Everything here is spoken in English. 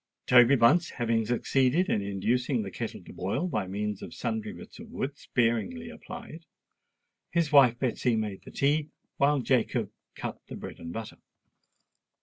Toby Bunce, having succeeded in inducing the kettle to boil by means of sundry bits of wood sparingly applied, his wife Betsy made the tea, while Jacob cut the bread and butter.